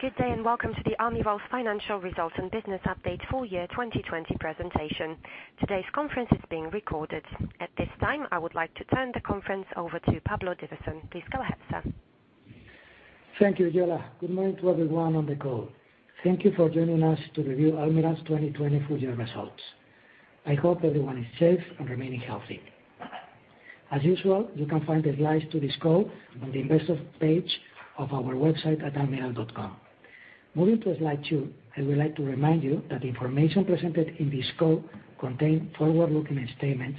Good day, and welcome to the Almirall's Financial Results and Business Update Full Year 2020 Presentation. Today's conference is being recorded. At this time, I would like to turn the conference over to Pablo Divasson. Please go ahead, sir. Thank you, Joana. Good morning to everyone on the call. Thank you for joining us to review Almirall's 2020 Full Year Results. I hope everyone is safe and remaining healthy. As usual, you can find the slides to this call on the investor page of our website at almirall.com. Moving to slide two, I would like to remind you that the information presented in this call contain forward-looking statements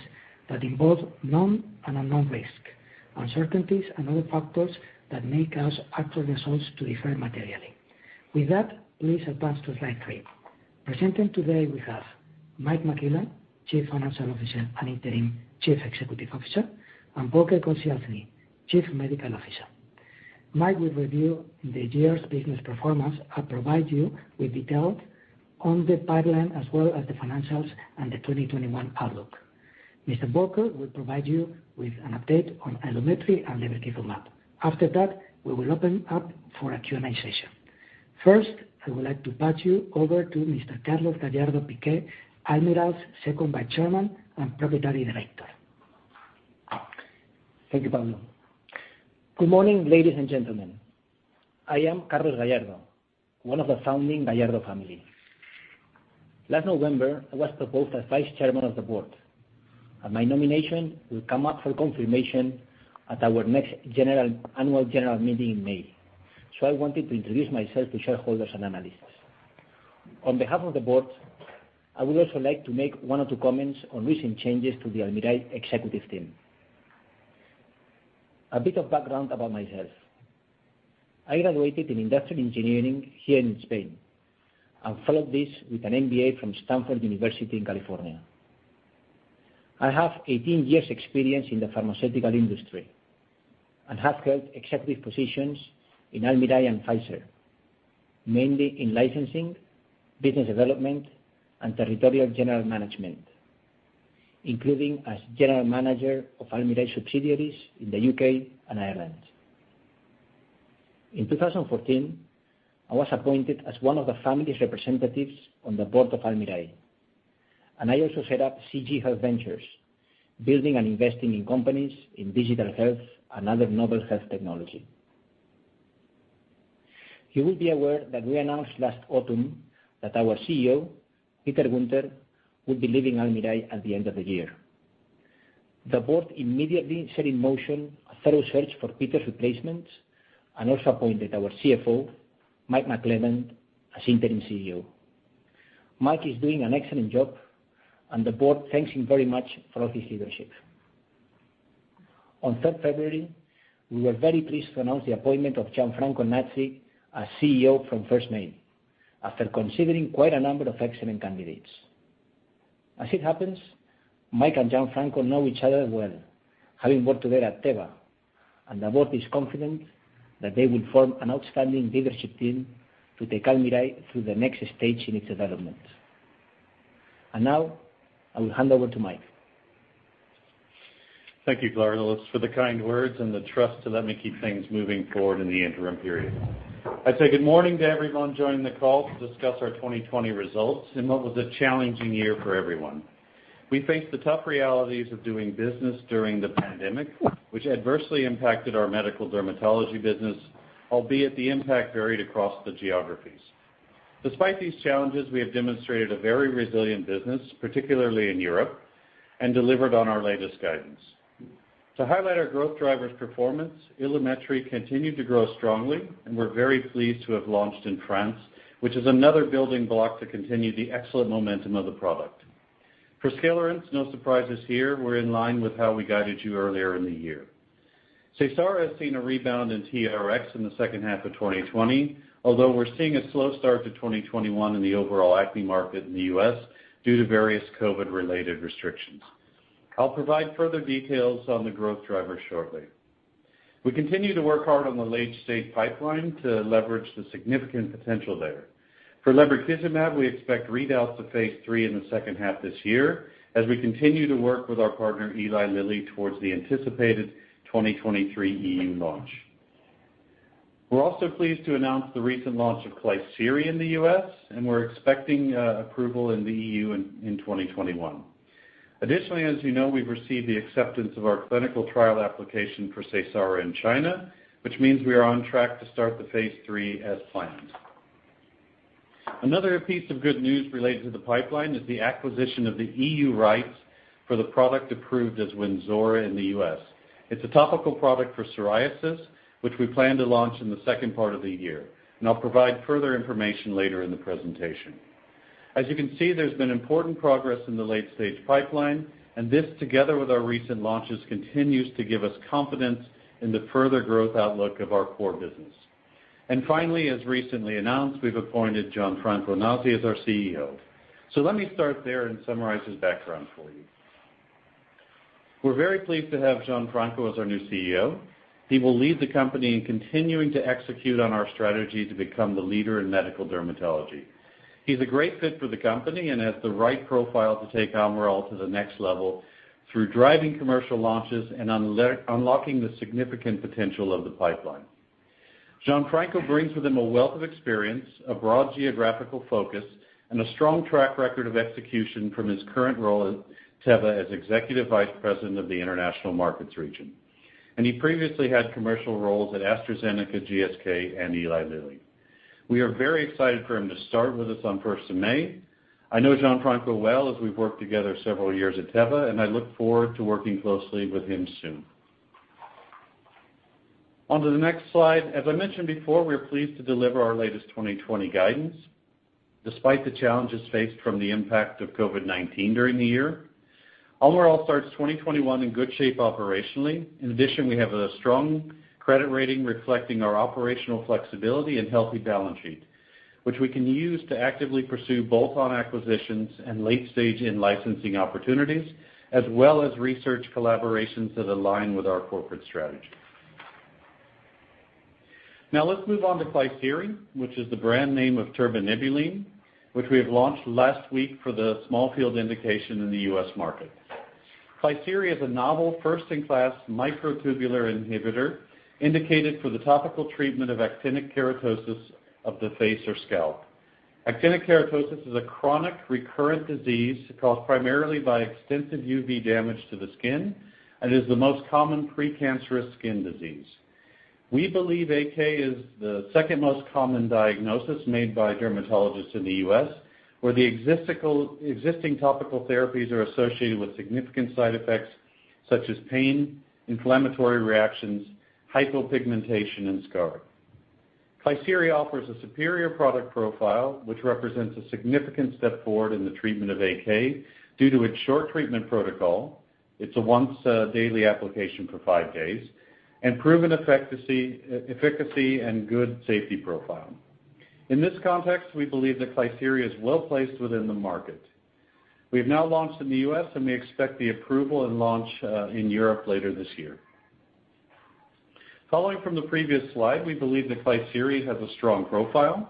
that involve known and unknown risk, uncertainties, and other factors that make us actual results to differ materially. With that, please advance to slide three. Presenting today, we have Mike McClellan, Chief Financial Officer and Interim Chief Executive Officer, and Volker Koscielny, Chief Medical Officer. Mike will review the year's business performance and provide you with details on the pipeline as well as the financials and the 2021 outlook. Mr. Volker will provide you with an update on Ilumetri and lebrikizumab. After that, we will open up for a Q&A session. First, I would like to pass you over to Mr. Carlos Gallardo Piqué, Almirall's Second Vice Chairman and Proprietary Director. Thank you, Pablo. Good morning, ladies and gentlemen. I am Carlos Gallardo, one of the founding Gallardo family. Last November, I was proposed as Vice Chairman of the Board, and my nomination will come up for confirmation at our next Annual General Meeting in May. I wanted to introduce myself to shareholders and analysts. On behalf of the board, I would also like to make one or two comments on recent changes to the Almirall executive team. A bit of background about myself. I graduated in industrial engineering here in Spain and followed this with an MBA from Stanford University in California. I have 18 years experience in the pharmaceutical industry and have held executive positions in Almirall and Pfizer, mainly in licensing, business development, and territorial general management, including as General Manager of Almirall subsidiaries in the U.K. and Ireland. In 2014, I was appointed as one of the family's representatives on the Board of Almirall, I also set up CG Health Ventures, building and investing in companies in digital health and other novel health technology. You will be aware that we announced last autumn that our CEO, Peter Guenter, would be leaving Almirall at the end of the year. The board immediately set in motion a thorough search for Peter's replacement. Also appointed our CFO, Mike McClellan, as Interim CEO. Mike is doing an excellent job. The board thanks him very much for all his leadership. On third February, we were very pleased to announce the appointment of Gianfranco Nazzi as CEO from first May, after considering quite a number of excellent candidates. As it happens, Mike and Gianfranco know each other well, having worked together at Teva, and the board is confident that they will form an outstanding leadership team to take Almirall through the next stage in its development. Now, I will hand over to Mike. Thank you, Carlos, for the kind words and the trust to let me keep things moving forward in the interim period. I say good morning to everyone joining the call to discuss our 2020 results in what was a challenging year for everyone. We faced the tough realities of doing business during the pandemic, which adversely impacted our medical dermatology business, albeit the impact varied across the geographies. Despite these challenges, we have demonstrated a very resilient business, particularly in Europe, and delivered on our latest guidance. To highlight our growth drivers' performance, Ilumetri continued to grow strongly, and we're very pleased to have launched in France, which is another building block to continue the excellent momentum of the product. For Skilarence, no surprises here. We're in line with how we guided you earlier in the year. Seysara has seen a rebound in TRx in the second half of 2020, although we're seeing a slow start to 2021 in the overall acne market in the U.S. due to various COVID-related restrictions. I'll provide further details on the growth driver shortly. We continue to work hard on the late-stage pipeline to leverage the significant potential there. For lebrikizumab, we expect readouts to phase III in the second half this year as we continue to work with our partner, Eli Lilly, towards the anticipated 2023 EU launch. We're also pleased to announce the recent launch of Klisyri in the U.S. And we're expecting approval in the EU in 2021. Additionally, as you know, we've received the acceptance of our clinical trial application for Seysara in China, which means we are on track to start the phase III as planned. Another piece of good news related to the pipeline is the acquisition of the EU rights for the product approved as Wynzora in the U.S. It's a topical product for psoriasis, which we plan to launch in the second part of the year, and I'll provide further information later in the presentation. As you can see, there's been important progress in the late-stage pipeline, and this, together with our recent launches, continues to give us confidence in the further growth outlook of our core business. Finally, as recently announced, we've appointed Gianfranco Nazzi as our CEO. Let me start there and summarize his background for you. We're very pleased to have Gianfranco as our new CEO. He will lead the company in continuing to execute on our strategy to become the leader in medical dermatology. He's a great fit for the company and has the right profile to take Almirall to the next level through driving commercial launches and unlocking the significant potential of the pipeline. Gianfranco brings with him a wealth of experience, a broad geographical focus, and a strong track record of execution from his current role at Teva as Executive Vice President of the International Markets region. He previously had commercial roles at AstraZeneca, GSK, and Eli Lilly. We are very excited for him to start with us on the 1st of May. I know Gianfranco well as we've worked together several years at Teva, and I look forward to working closely with him soon. On to the next slide. As I mentioned before, we are pleased to deliver our latest 2020 guidance despite the challenges faced from the impact of COVID-19 during the year. Almirall starts 2021 in good shape operationally. In addition, we have a strong credit rating reflecting our operational flexibility and healthy balance sheet, which we can use to actively pursue both on acquisitions and late-stage in-licensing opportunities, as well as research collaborations that align with our corporate strategy. Let's move on to Klisyri, which is the brand name of tirbanibulin, which we have launched last week for the small field indication in the US market. Klisyri is a novel first-in-class microtubule inhibitor indicated for the topical treatment of actinic keratosis of the face or scalp. Actinic keratosis is a chronic recurrent disease caused primarily by extensive UV damage to the skin and is the most common pre-cancerous skin disease. We believe AK is the second most common diagnosis made by dermatologists in the U.S., where the existing topical therapies are associated with significant side effects such as pain, inflammatory reactions, hypopigmentation, and scarring. Klisyri offers a superior product profile, which represents a significant step forward in the treatment of AK due to its short treatment protocol. It's a once daily application for five days and proven efficacy and good safety profile. In this context, we believe that Klisyri is well-placed within the market. We have now launched in the U.S., we expect the approval and launch in Europe later this year. Following from the previous slide, we believe that Klisyri has a strong profile.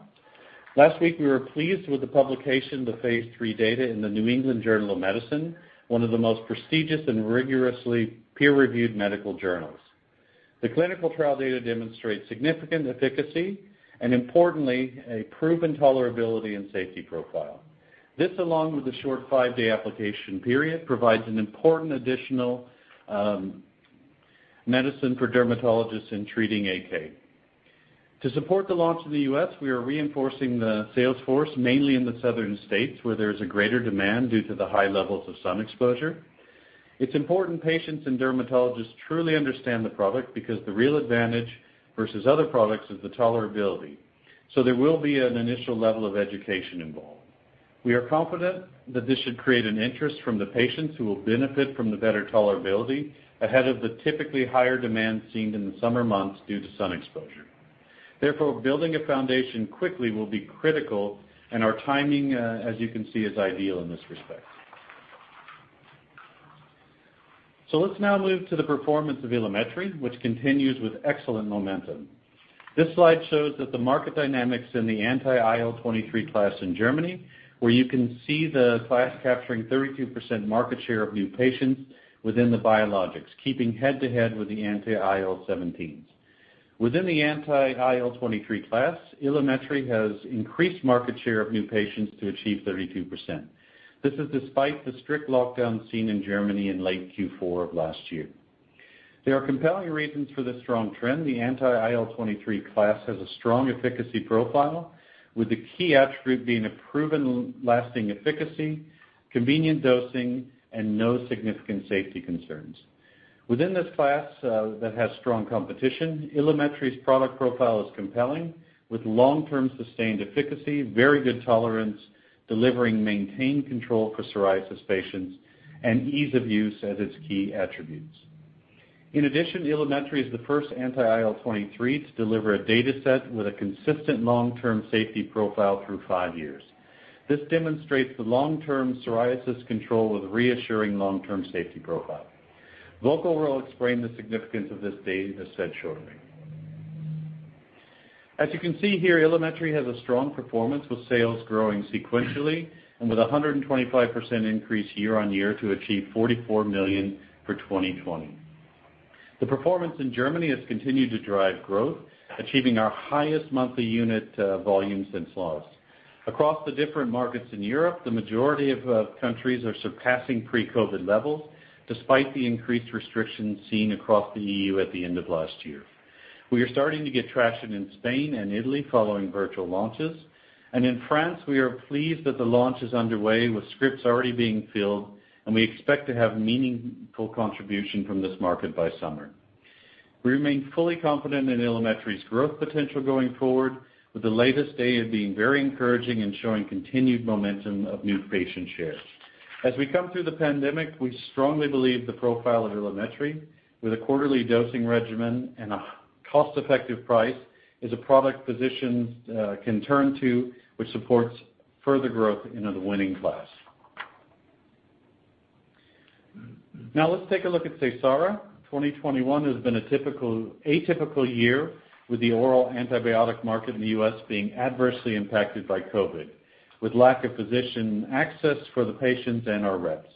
Last week, we were pleased with the publication of the phase III data in "The New England Journal of Medicine," one of the most prestigious and rigorously peer-reviewed medical journals. The clinical trial data demonstrates significant efficacy, importantly, a proven tolerability and safety profile. This, along with the short five-day application period, provides an important additional medicine for dermatologists in treating AK. To support the launch in the U.S., we are reinforcing the sales force, mainly in the southern states, where there is a greater demand due to the high levels of sun exposure. It's important patients and dermatologists truly understand the product because the real advantage versus other products is the tolerability, so there will be an initial level of education involved. We are confident that this should create an interest from the patients who will benefit from the better tolerability ahead of the typically higher demand seen in the summer months due to sun exposure. Therefore, building a foundation quickly will be critical, and our timing, as you can see, is ideal in this respect. Let's now move to the performance of Ilumetri, which continues with excellent momentum. This slide shows that the market dynamics in the anti-IL-23 class in Germany, where you can see the class capturing 32% market share of new patients within the biologics, keeping head to head with the anti-IL-17s. Within the anti-IL-23 class, Ilumetri has increased market share of new patients to achieve 32%. This is despite the strict lockdown seen in Germany in late Q4 of last year. There are compelling reasons for this strong trend. The anti-IL-23 class has a strong efficacy profile, with the key attribute being a proven lasting efficacy, convenient dosing, and no significant safety concerns. Within this class that has strong competition, Ilumetri's product profile is compelling, with long-term sustained efficacy, very good tolerance, delivering maintained control for psoriasis patients, and ease of use as its key attributes. In addition, Ilumetri is the first anti-IL-23 to deliver a data set with a consistent long-term safety profile through five years. This demonstrates the long-term psoriasis control with a reassuring long-term safety profile. Volker will explain the significance of this data set shortly. As you can see here, Ilumetri has a strong performance, with sales growing sequentially and with 125% increase year on year to achieve 44 million for 2020. The performance in Germany has continued to drive growth, achieving our highest monthly unit volume since launch. Across the different markets in Europe, the majority of countries are surpassing pre-COVID-19 levels, despite the increased restrictions seen across the EU at the end of last year. We are starting to get traction in Spain and Italy following virtual launches. And in France, we are pleased that the launch is underway with scripts already being filled, and we expect to have meaningful contribution from this market by summer. We remain fully confident in Ilumetri's growth potential going forward, with the latest data being very encouraging and showing continued momentum of new patient shares. As we come through the pandemic, we strongly believe the profile of Ilumetri, with a quarterly dosing regimen and a cost-effective price, is a product physicians can turn to, which supports further growth in the winning class. Now let's take a look at Seysara. 2021 has been an atypical year, with the oral antibiotic market in the U.S. being adversely impacted by COVID, with lack of physician access for the patients and our reps.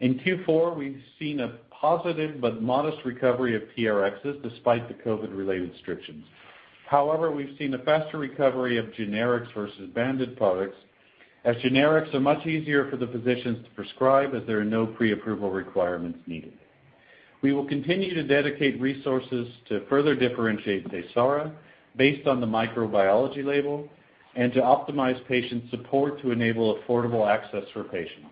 In Q4, we've seen a positive but modest recovery of TRx despite the COVID-related restrictions. However, we've seen a faster recovery of generics versus branded products as generics are much easier for the physicians to prescribe as there are no pre-approval requirements needed. We will continue to dedicate resources to further differentiate Seysara based on the microbiology label and to optimize patient support to enable affordable access for patients.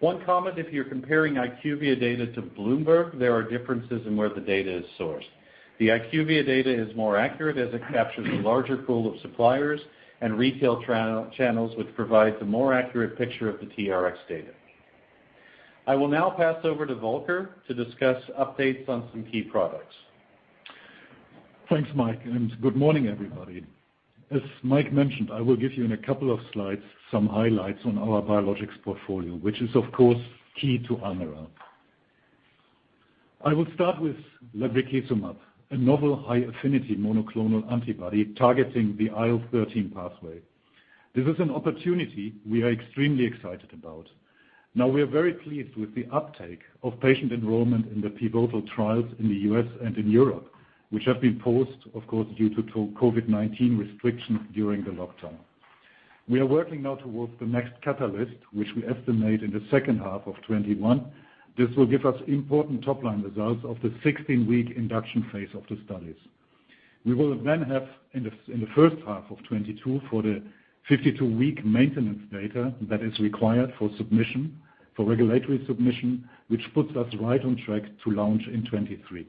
One comment, if you're comparing IQVIA data to Bloomberg, there are differences in where the data is sourced. The IQVIA data is more accurate as it captures a larger pool of suppliers and retail channels, which provides a more accurate picture of the TRx data. I will now pass over to Volker to discuss updates on some key products. Thanks, Mike. Good morning, everybody. As Mike mentioned, I will give you in a couple of slides some highlights on our biologics portfolio, which is, of course, key to Almirall. I will start with lebrikizumab, a novel high-affinity monoclonal antibody targeting the IL-13 pathway. This is an opportunity we are extremely excited about. We are very pleased with the uptake of patient enrollment in the pivotal trials in the U.S. and in Europe, which have been paused, of course, due to COVID-19 restrictions during the lockdown. We are working now towards the next catalyst, which we estimate in the second half of 2021. This will give us important top-line results of the 16-week induction phase of the studies. We will have in the first half of 2022 for the 52-week maintenance data that is required for regulatory submission, which puts us right on track to launch in 2023.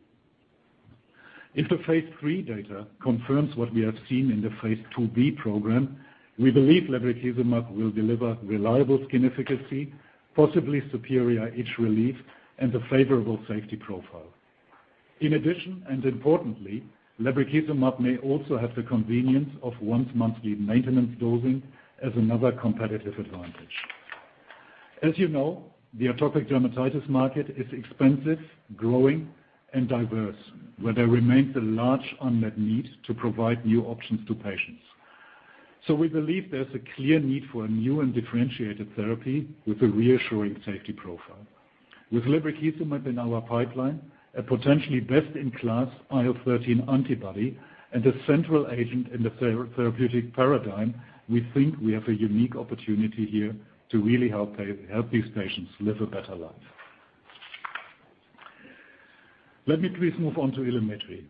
If the phase III data confirms what we have seen in the phase II-B program, we believe lebrikizumab will deliver reliable skin efficacy, possibly superior itch relief, and a favorable safety profile. In addition, and importantly, lebrikizumab may also have the convenience of once-monthly maintenance dosing as another competitive advantage. As you know, the atopic dermatitis market is expensive, growing, and diverse, where there remains a large unmet need to provide new options to patients. We believe there's a clear need for a new and differentiated therapy with a reassuring safety profile. With lebrikizumab in our pipeline, a potentially best-in-class IL-13 antibody and a central agent in the therapeutic paradigm, we think we have a unique opportunity here to really help these patients live a better life. Let me please move on to Ilumetri.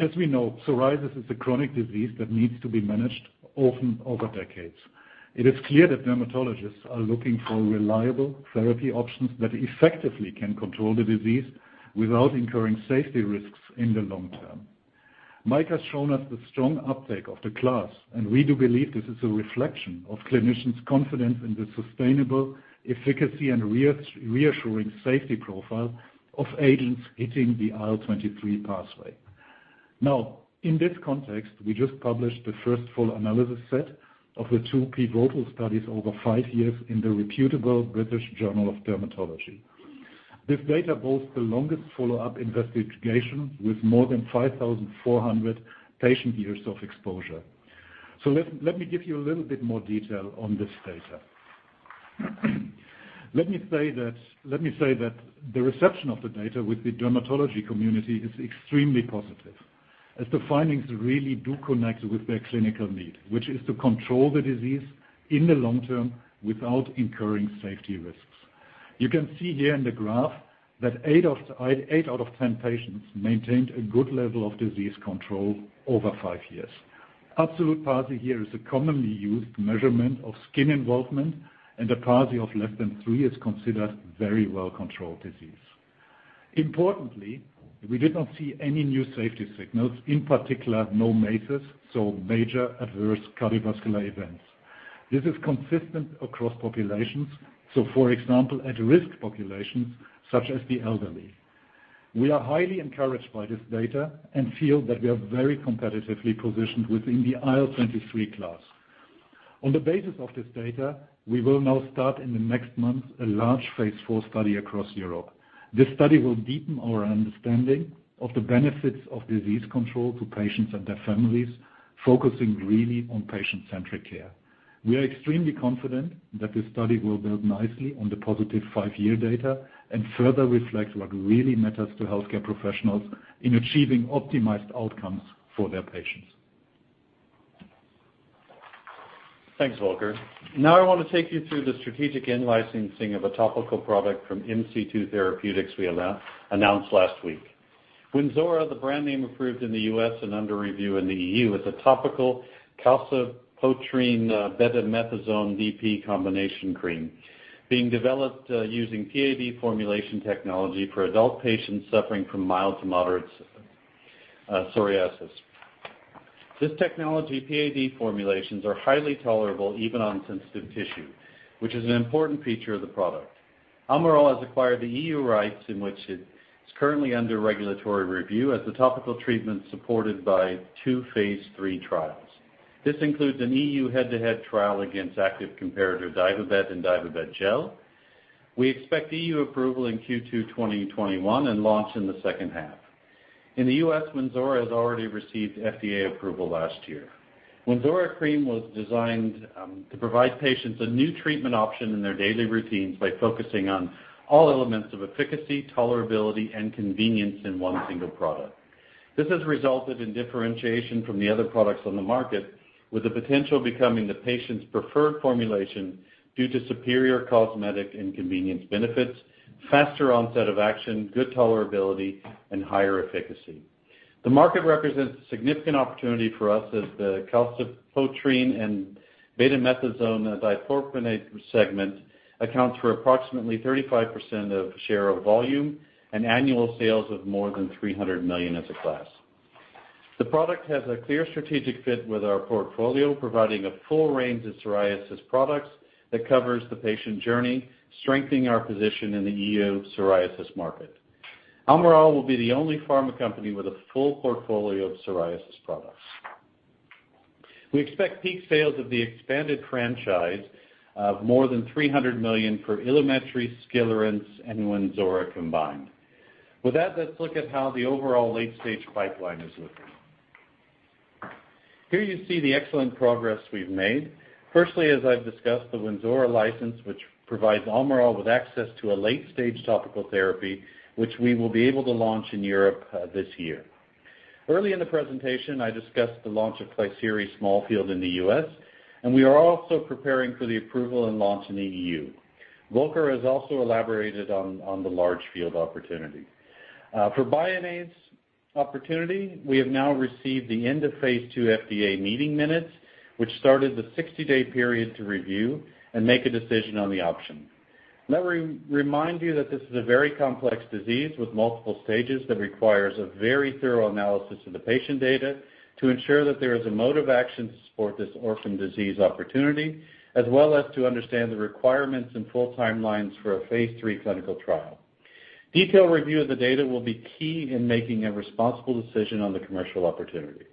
As we know, psoriasis is a chronic disease that needs to be managed often over decades. It is clear that dermatologists are looking for reliable therapy options that effectively can control the disease without incurring safety risks in the long term. Mike has shown us the strong uptake of the class, we do believe this is a reflection of clinicians' confidence in the sustainable efficacy and reassuring safety profile of agents hitting the IL-23 pathway. Now, in this context, we just published the first full analysis set of the two pivotal studies over five years in the reputable British Journal of Dermatology. This data boasts the longest follow-up investigation with more than 5,400 patient-years of exposure. Let me give you a little bit more detail on this data. Let me say that the reception of the data with the dermatology community is extremely positive, as the findings really do connect with their clinical need, which is to control the disease in the long term without incurring safety risks. You can see here in the graph that eight out of 10 patients maintained a good level of disease control over five years. Absolute PASI here is a commonly used measurement of skin involvement, and a PASI of less than three is considered very well-controlled disease. Importantly, we did not see any new safety signals, in particular, no MACEs, so major adverse cardiovascular events. This is consistent across populations, for example, at-risk populations such as the elderly. We are highly encouraged by this data and feel that we are very competitively positioned within the IL-23 class. On the basis of this data, we will now start in the next month a large phase IV study across Europe. This study will deepen our understanding of the benefits of disease control to patients and their families, focusing really on patient-centric care. We are extremely confident that this study will build nicely on the positive five-year data and further reflect what really matters to healthcare professionals in achieving optimized outcomes for their patients. Thanks, Volker. I want to take you through the strategic in-licensing of a topical product from MC2 Therapeutics we announced last week. Wynzora, the brand name approved in the U.S. and under review in the EU, is a topical calcipotriene betamethasone DP combination cream being developed using PAD formulation technology for adult patients suffering from mild to moderate psoriasis. This technology, PAD formulations, are highly tolerable even on sensitive tissue, which is an important feature of the product. Almirall has acquired the EU rights in which it's currently under regulatory review as a topical treatment supported by two phase III trials. This includes an EU head-to-head trial against active comparator Daivobet and Daivobet Gel. We expect EU approval in Q2 2021 and launch in the second half. In the U.S., Wynzora has already received FDA approval last year. Wynzora Cream was designed to provide patients a new treatment option in their daily routines by focusing on all elements of efficacy, tolerability, and convenience in one single product. This has resulted in differentiation from the other products on the market, with the potential of becoming the patient's preferred formulation due to superior cosmetic and convenience benefits, faster onset of action, good tolerability, and higher efficacy. The market represents a significant opportunity for us as the calcipotriene and betamethasone dipropionate segment accounts for approximately 35% of share of volume and annual sales of more than 300 million as a class. The product has a clear strategic fit with our portfolio, providing a full range of psoriasis products that covers the patient journey, strengthening our position in the EU psoriasis market. Almirall will be the only pharma company with a full portfolio of psoriasis products. We expect peak sales of the expanded franchise of more than 300 million for Ilumetri, Skilarence, and Wynzora combined. Let's look at how the overall late-stage pipeline is looking. Here you see the excellent progress we've made. Firstly as I've discussed, the Wynzora license, which provides Almirall with access to a late-stage topical therapy, which we will be able to launch in Europe this year. Early in the presentation, I discussed the launch of Klisyri small field in the U.S., and we are also preparing for the approval and launch in the EU. Volker has also elaborated on the large field opportunity. For Bioniz opportunity, we have now received the end-of-phase II FDA meeting minutes, which started the 60-day period to review and make a decision on the option. Let me remind you that this is a very complex disease with multiple stages that requires a very thorough analysis of the patient data to ensure that there is a mode of action to support this orphan disease opportunity, as well as to understand the requirements and full timelines for a phase III clinical trial. Detailed review of the data will be key in making a responsible decision on the commercial opportunity.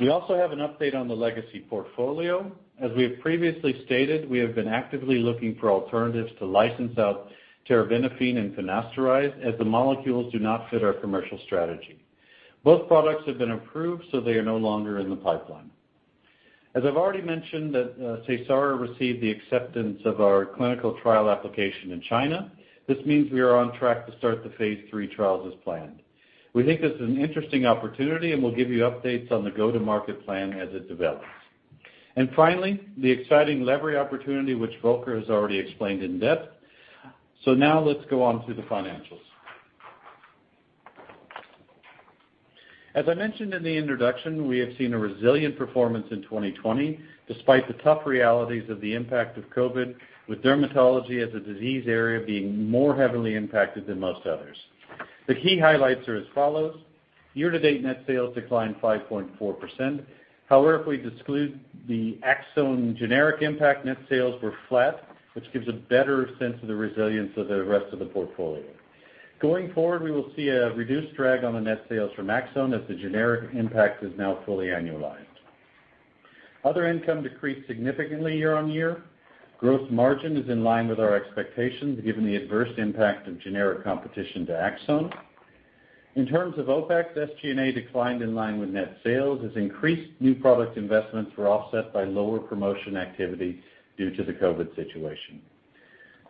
We also have an update on the legacy portfolio. As we have previously stated, we have been actively looking for alternatives to license out terfenadine and finasteride, as the molecules do not fit our commercial strategy. Both products have been approved, so they are no longer in the pipeline. As I've already mentioned, that Seysara received the acceptance of our clinical trial application in China. This means we are on track to start the phase III trials as planned. We think this is an interesting opportunity, and we'll give you updates on the go-to-market plan as it develops. Finally, the exciting lebri opportunity, which Volker has already explained in depth. Now let's go on to the financials. As I mentioned in the introduction, we have seen a resilient performance in 2020, despite the tough realities of the impact of COVID-19, with dermatology as a disease area being more heavily impacted than most others. The key highlights are as follows. Year-to-date net sales declined 5.4%. However, if we exclude the Aczone generic impact, net sales were flat, which gives a better sense of the resilience of the rest of the portfolio. Going forward, we will see a reduced drag on the net sales from Aczone as the generic impact is now fully annualized. Other income decreased significantly year-over-year. Gross margin is in line with our expectations, given the adverse impact of generic competition to Aczone. In terms of OpEx, SG&A declined in line with net sales as increased new product investments were offset by lower promotion activity due to the COVID-19 situation.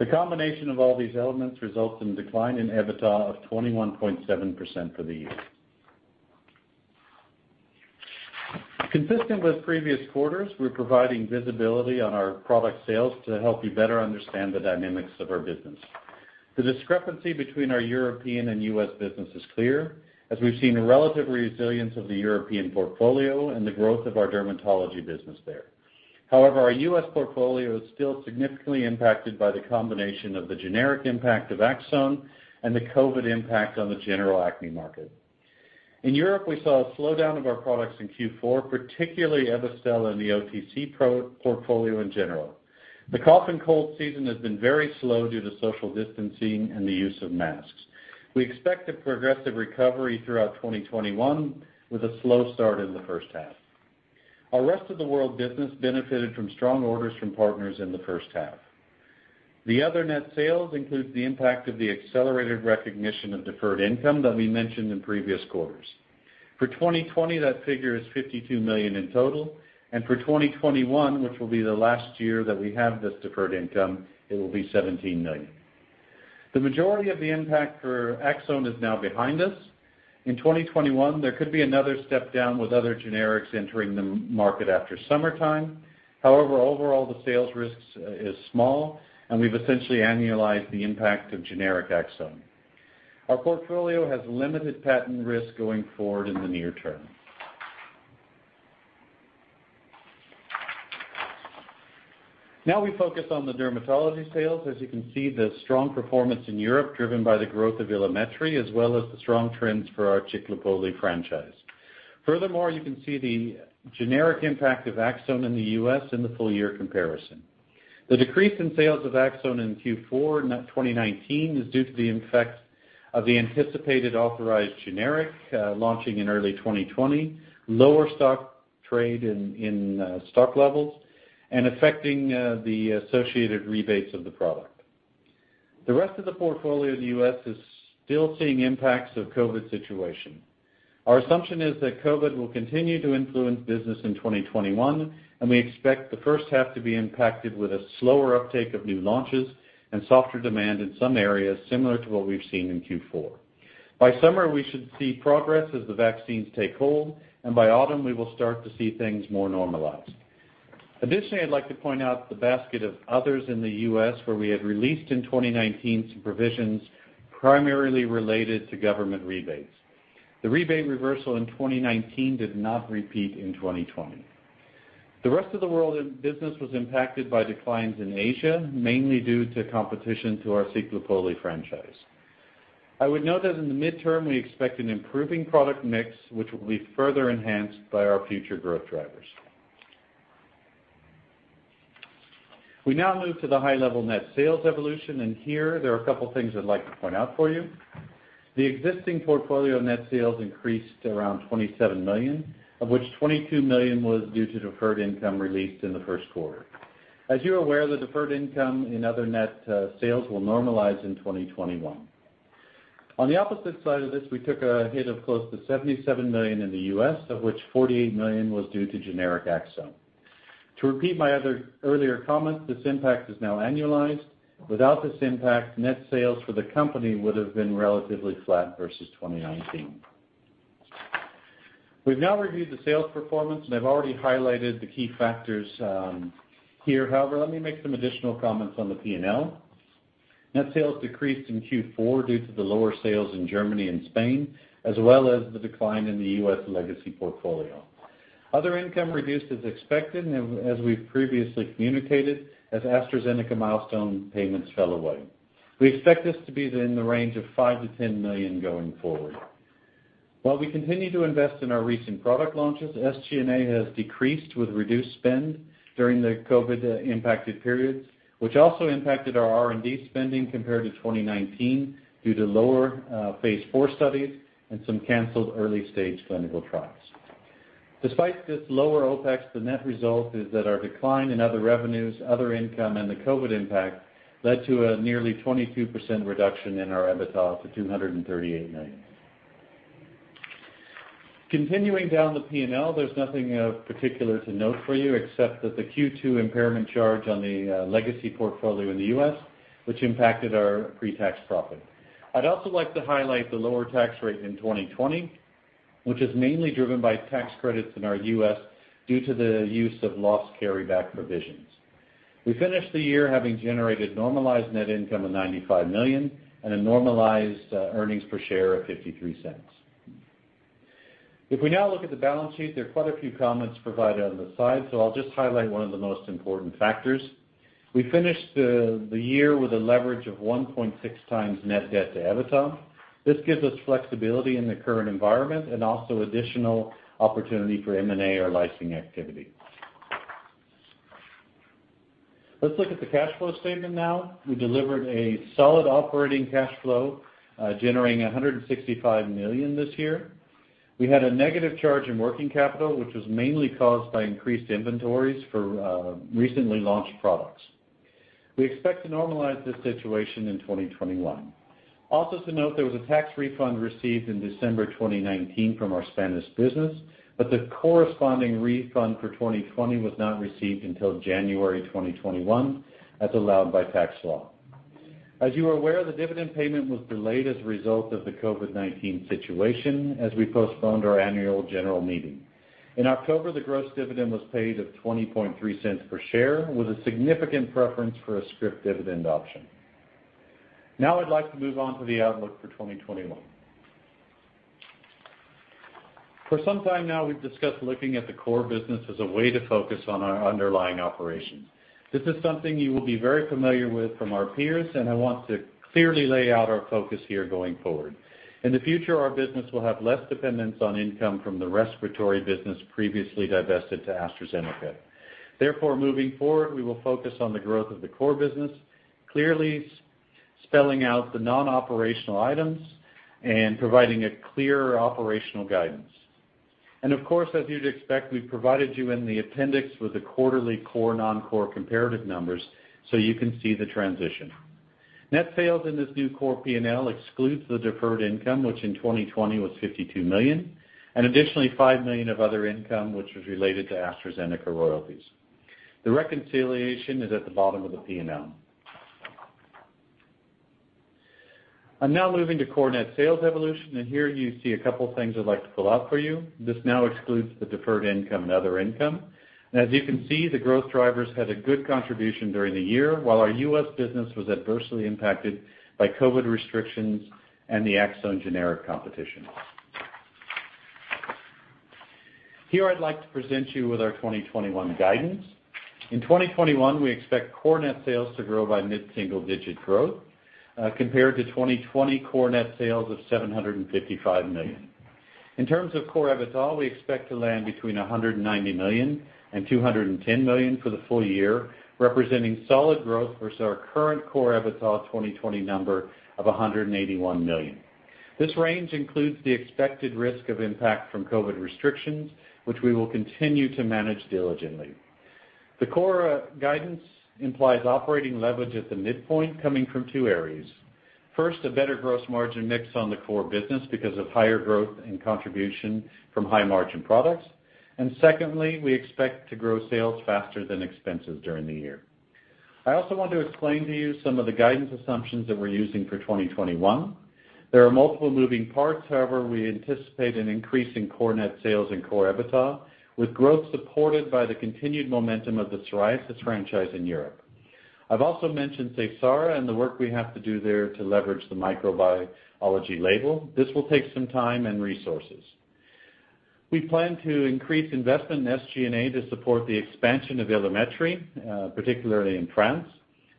The combination of all these elements results in a decline in EBITDA of 21.7% for the year. Consistent with previous quarters, we're providing visibility on our product sales to help you better understand the dynamics of our business. The discrepancy between our European and US business is clear, as we've seen a relative resilience of the European portfolio and the growth of our dermatology business there. Our US portfolio is still significantly impacted by the combination of the generic impact of Aczone and the COVID-19 impact on the general acne market. In Europe, we saw a slowdown of our products in Q4, particularly Ebastel in the OTC portfolio in general. The cough and cold season has been very slow due to social distancing and the use of masks. We expect a progressive recovery throughout 2021, with a slow start in the first half. Our rest-of-the-world business benefited from strong orders from partners in the first half. The other net sales includes the impact of the accelerated recognition of deferred income that we mentioned in previous quarters. For 2020, that figure is 52 million in total, and for 2021, which will be the last year that we have this deferred income, it will be 17 million. The majority of the impact for Aczone is now behind us. In 2021, there could be another step down with other generics entering the market after summertime. However, overall, the sales risks is small, and we've essentially annualized the impact of generic Aczone. Our portfolio has limited patent risk going forward in the near term. Now we focus on the dermatology sales. As you can see, the strong performance in Europe, driven by the growth of Ilumetri, as well as the strong trends for our Ciclopoli franchise. Furthermore, you can see the generic impact of Aczone in the U.S. in the full-year comparison. The decrease in sales of Aczone in Q4 2019 is due to the effect of the anticipated authorized generic launching in early 2020, lower stock levels and affecting the associated rebates of the product. The rest of the portfolio in the U.S. is still seeing impacts of COVID situation. Our assumption is that COVID will continue to influence business in 2021, and we expect the first half to be impacted with a slower uptake of new launches and softer demand in some areas, similar to what we've seen in Q4. By summer, we should see progress as the vaccines take hold, and by autumn, we will start to see things more normalized. Additionally, I'd like to point out the basket of others in the U.S. where we had released in 2019 some provisions primarily related to government rebates. The rebate reversal in 2019 did not repeat in 2020. The rest of the world in business was impacted by declines in Asia, mainly due to competition to our Ciclopoli franchise. I would note that in the midterm, we expect an improving product mix, which will be further enhanced by our future growth drivers. We now move to the high-level net sales evolution, and here there are a couple things I'd like to point out for you. The existing portfolio net sales increased around 27 million, of which 22 million was due to deferred income released in the first quarter. As you're aware, the deferred income in other net sales will normalize in 2021. On the opposite side of this, we took a hit of close to 77 million in the U.S., of which 48 million was due to generic Aczone. To repeat my other earlier comment, this impact is now annualized. Without this impact, net sales for the company would've been relatively flat versus 2019. We've now reviewed the sales performance, and I've already highlighted the key factors here. However, let me make some additional comments on the P&L. Net sales decreased in Q4 due to the lower sales in Germany and Spain, as well as the decline in the US legacy portfolio. Other income reduced as expected, and as we've previously communicated, as AstraZeneca milestone payments fell away. We expect this to be in the range of 5 million-10 million going forward. While we continue to invest in our recent product launches, SG&A has decreased with reduced spend during the COVID-impacted periods, which also impacted our R&D spending compared to 2019 due to lower phase IV studies and some canceled early-stage clinical trials. Despite this lower OpEx, the net result is that our decline in other revenues, other income, and the COVID impact led to a nearly 22% reduction in our EBITDA to 238 million. Continuing down the P&L, there's nothing of particular to note for you except that the Q2 impairment charge on the legacy portfolio in the U.S., which impacted our pre-tax profit. I'd also like to highlight the lower tax rate in 2020, which is mainly driven by tax credits in our U.S. due to the use of loss carryback provisions. We finished the year having generated normalized net income of 95 million, and a normalized earnings per share of 0.53. If we now look at the balance sheet, there are quite a few comments provided on the side, so I'll just highlight one of the most important factors. We finished the year with a leverage of 1.6x net debt to EBITDA. This gives us flexibility in the current environment and also additional opportunity for M&A or licensing activity. Let's look at the cash flow statement now. We delivered a solid operating cash flow, generating 165 million this year. We had a negative charge in working capital, which was mainly caused by increased inventories for recently launched products. We expect to normalize this situation in 2021. Also to note, there was a tax refund received in December 2019 from our Spanish business, but the corresponding refund for 2020 was not received until January 2021, as allowed by tax law. As you are aware, the dividend payment was delayed as a result of the COVID-19 situation as we postponed our Annual General Meeting. In October, the gross dividend was paid of 0.203 per share with a significant preference for a scrip dividend option. I'd like to move on to the outlook for 2021. For some time now, we've discussed looking at the core business as a way to focus on our underlying operations. This is something you will be very familiar with from our peers, and I want to clearly lay out our focus here going forward. In the future, our business will have less dependence on income from the respiratory business previously divested to AstraZeneca. Therefore moving forward, we will focus on the growth of the core business, clearly spelling out the non-operational items and providing a clearer operational guidance. Of course, as you'd expect, we've provided you in the appendix with the quarterly core/non-core comparative numbers so you can see the transition. Net sales in this new core P&L excludes the deferred income, which in 2020 was 52 million, and additionally 5 million of other income, which was related to AstraZeneca royalties. The reconciliation is at the bottom of the P&L. I'm now moving to core net sales evolution, and here you see a couple things I'd like to pull out for you. This now excludes the deferred income and other income. As you can see, the growth drivers had a good contribution during the year while our US business was adversely impacted by COVID-19 restrictions and the Aczone generic competition. Here I'd like to present you with our 2021 guidance. In 2021, we expect core net sales to grow by mid-single digit growth compared to 2020 core net sales of 755 million. In terms of core EBITDA, we expect to land between 190 million and 210 million for the full year, representing solid growth versus our current core EBITDA 2020 number of 181 million. This range includes the expected risk of impact from COVID-19 restrictions, which we will continue to manage diligently. The core guidance implies operating leverage at the midpoint coming from two areas. First, a better gross margin mix on the core business because of higher growth and contribution from high-margin products. Secondly, we expect to grow sales faster than expenses during the year. I also want to explain to you some of the guidance assumptions that we're using for 2021. There are multiple moving parts, however, we anticipate an increase in core net sales and core EBITDA, with growth supported by the continued momentum of the psoriasis franchise in Europe. I've also mentioned Seysara and the work we have to do there to leverage the microbiology label. This will take some time and resources. We plan to increase investment in SG&A to support the expansion of Ilumetri, particularly in France,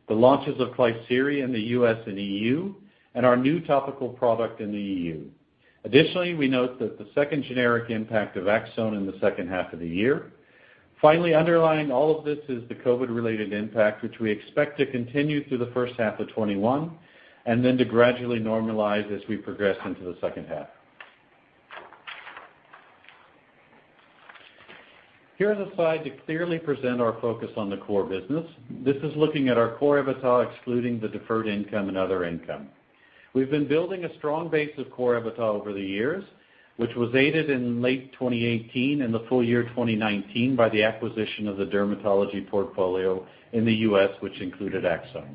the launches of Klisyri in the U.S. and EU, and our new topical product in the EU. Additionally, we note that the second generic impact of Aczone in the second half of the year. Finally, underlying all of this is the COVID-related impact, which we expect to continue through the first half of 2021, and then to gradually normalize as we progress into the second half. Here is a slide to clearly present our focus on the core business. This is looking at our core EBITDA, excluding the deferred income and other income. We've been building a strong base of core EBITDA over the years, which was aided in late 2018 and the full year 2019 by the acquisition of the dermatology portfolio in the U.S., which included Aczone.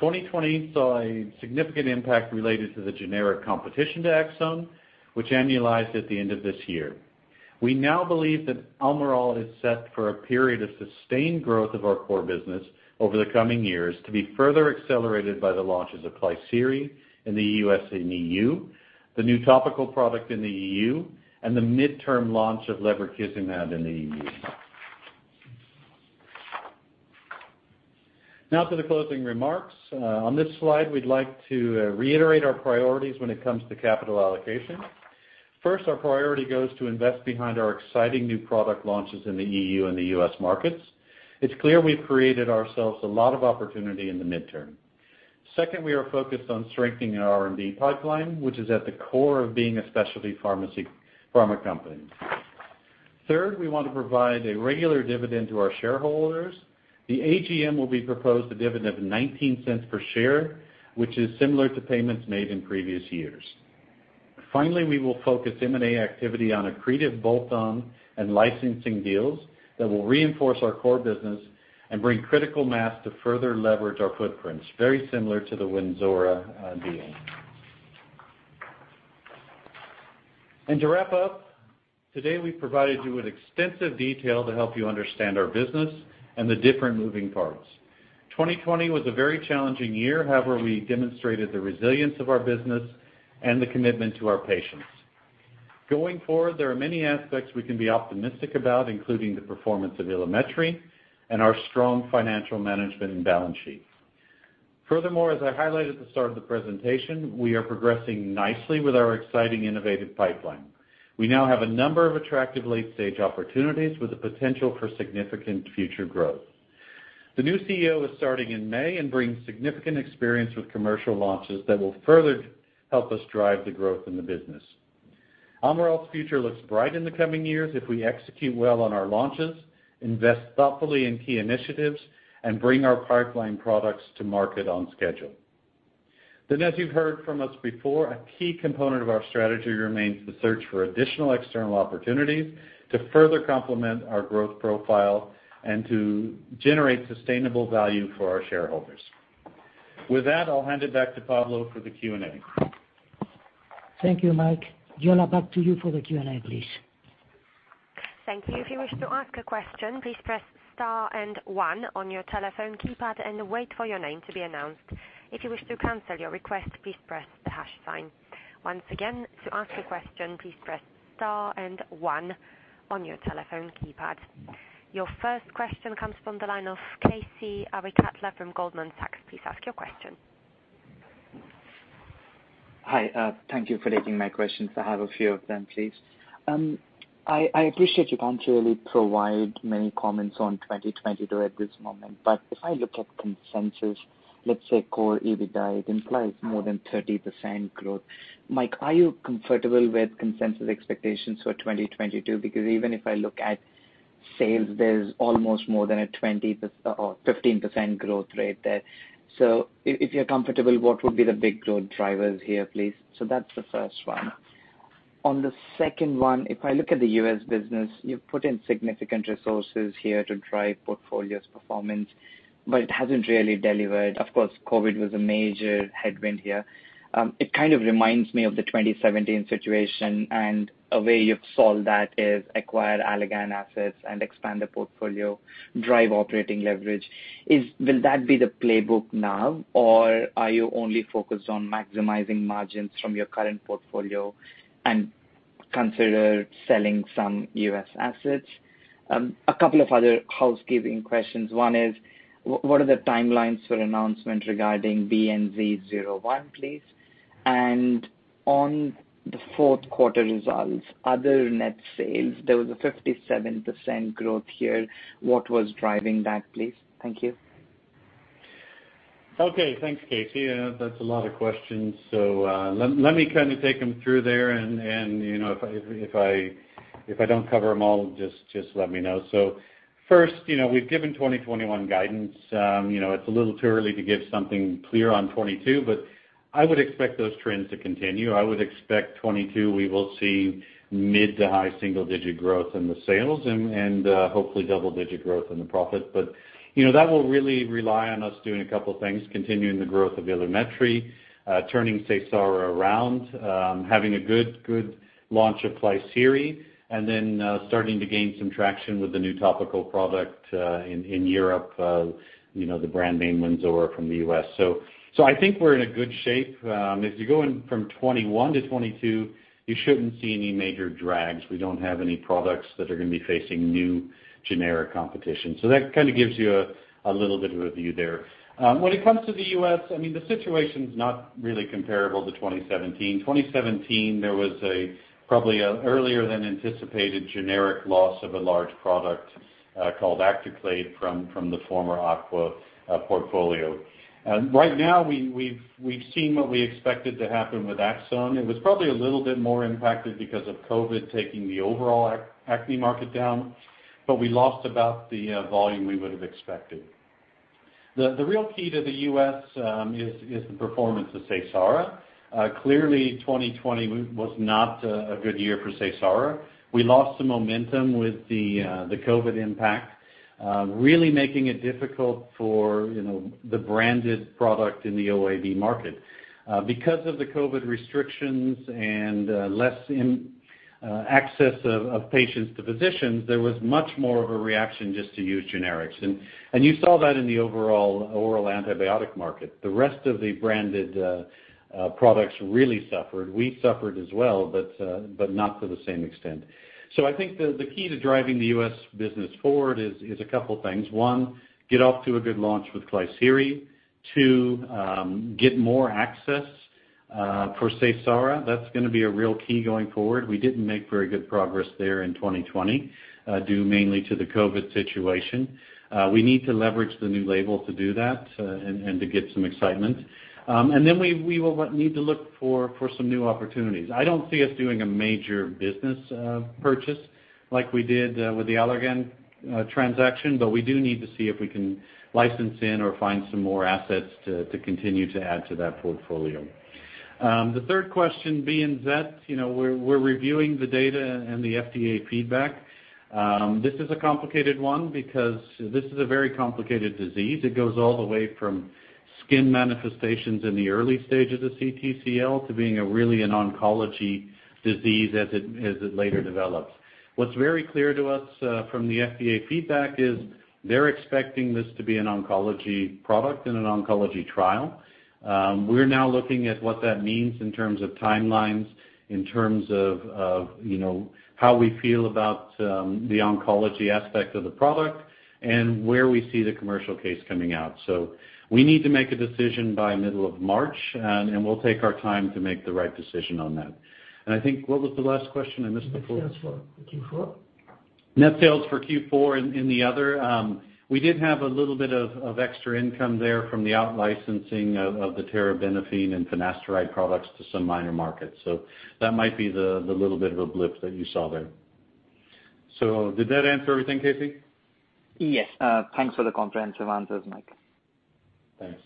2020 saw a significant impact related to the generic competition to Aczone, which annualized at the end of this year. We now believe that Almirall is set for a period of sustained growth of our core business over the coming years to be further accelerated by the launches of Klisyri in the U.S. and EU, the new topical product in the EU, and the midterm launch of lebrikizumab in the EU. Now for the closing remarks. On this slide, we'd like to reiterate our priorities when it comes to capital allocation. First, our priority goes to invest behind our exciting new product launches in the EU and the US markets. It's clear we've created ourselves a lot of opportunity in the midterm. Second, we are focused on strengthening our R&D pipeline, which is at the core of being a specialty pharma company. Third, we want to provide a regular dividend to our shareholders. The AGM will be proposed a dividend of 0.19 per share, which is similar to payments made in previous years. We will focus M&A activity on accretive bolt-on and licensing deals that will reinforce our core business and bring critical mass to further leverage our footprints, very similar to the Wynzora deal. To wrap up, today, we provided you with extensive detail to help you understand our business and the different moving parts. 2020 was a very challenging year. However, we demonstrated the resilience of our business and the commitment to our patients. Going forward, there are many aspects we can be optimistic about, including the performance of Ilumetri and our strong financial management and balance sheet. Furthermore, as I highlighted at the start of the presentation, we are progressing nicely with our exciting innovative pipeline. We now have a number of attractive late-stage opportunities with the potential for significant future growth. The new CEO is starting in May and brings significant experience with commercial launches that will further help us drive the growth in the business. Almirall's future looks bright in the coming years if we execute well on our launches, invest thoughtfully in key initiatives, and bring our pipeline products to market on schedule. As you've heard from us before, a key component of our strategy remains the search for additional external opportunities to further complement our growth profile and to generate sustainable value for our shareholders. With that, I'll hand it back to Pablo for the Q&A. Thank you, Mike. Joana, back to you for the Q&A, please. Thank you. If you wish to ask a question, please press star and one on your telephone keypad and wait for your name to be announced. If you wish to cancel your request, please press the hash sign. Once again, to ask a question, please press star and one on your telephone keypad. Your first question comes from the line of K. C. Arikatla from Goldman Sachs. Please ask your question. Hi. Thank you for taking my questions. I have a few of them, please. I appreciate you can't really provide many comments on 2022 at this moment. If I look at consensus, let's say core EBITDA, it implies more than 30% growth. Mike, are you comfortable with consensus expectations for 2022? Even if I look at sales, there's almost more than a 15% growth rate there. If you're comfortable, what would be the big growth drivers here, please? That's the first one. On the second one, if I look at the US business, you've put in significant resources here to drive portfolio's performance, but it hasn't really delivered. Of course, COVID was a major headwind here. It kind of reminds me of the 2017 situation, and a way you've solved that is acquire Allergan assets and expand the portfolio, drive operating leverage. Will that be the playbook now, or are you only focused on maximizing margins from your current portfolio and consider selling some US assets? A couple of other housekeeping questions. One is, what are the timelines for announcement regarding BNZ-01, please? On the fourth quarter results, other net sales, there was a 57% growth here. What was driving that, please? Thank you. Okay. Thanks, K.C. That's a lot of questions. Let me take him through there, and if I don't cover them all, just let me know. First, we've given 2021 guidance. It's a little too early to give something clear on 2022, but I would expect those trends to continue. I would expect 2022 we will see mid to high single-digit growth in the sales and hopefully double-digit growth in the profit. But that will really rely on us doing a couple of things, continuing the growth of Ilumetri, turning Seysara around, having a good launch of Klisyri, and then starting to gain some traction with the new topical product in Europe, the brand name Wynzora from the U.S. I think we're in a good shape. If you're going from 2021 to 2022, you shouldn't see any major drags. We don't have any products that are going to be facing new generic competition. That gives you a little bit of a view there. When it comes to the U.S., the situation's not really comparable to 2017. 2017, there was probably an earlier-than-anticipated generic loss of a large product called Acticlate from the former Aqua portfolio. Right now, we've seen what we expected to happen with Aczone. It was probably a little bit more impacted because of COVID-19 taking the overall acne market down, but we lost about the volume we would have expected. The real key to the U.S. is the performance of Seysara. Clearly, 2020 was not a good year for Seysara. We lost some momentum with the COVID-19 impact, really making it difficult for the branded product in the OAB market. Because of the COVID restrictions and less access of patients to physicians, there was much more of a reaction just to use generics. You saw that in the overall oral antibiotic market. The rest of the branded products really suffered. We suffered as well, but not to the same extent. I think the key to driving the US business forward is a couple things. One, get off to a good launch with Klisyri. Two, get more access for Seysara. That's going to be a real key going forward. We didn't make very good progress there in 2020, due mainly to the COVID situation. We need to leverage the new label to do that and to get some excitement. We will need to look for some new opportunities. I don't see us doing a major business purchase like we did with the Allergan transaction, but we do need to see if we can license in or find some more assets to continue to add to that portfolio. The third question, BNZ, we're reviewing the data and the FDA feedback. This is a complicated one because this is a very complicated disease. It goes all the way from skin manifestations in the early stages of CTCL to being really an oncology disease as it later develops. What's very clear to us from the FDA feedback is they're expecting this to be an oncology product in an oncology trial. We're now looking at what that means in terms of timelines, in terms of how we feel about the oncology aspect of the product, and where we see the commercial case coming out. We need to make a decision by middle of March, and we'll take our time to make the right decision on that. I think, what was the last question? I missed the fourth. Net sales for Q4. Net sales for Q4 in the other. We did have a little bit of extra income there from the out-licensing of the terbinafine and finasteride products to some minor markets. That might be the little bit of a blip that you saw there. Did that answer everything, K.C.? Yes. Thanks for the comprehensive answers, Mike. Thanks.